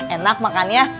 enak makan ya